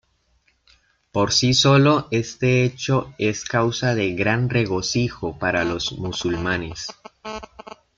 Por sí solo, este hecho es causa de gran regocijo para los musulmanes.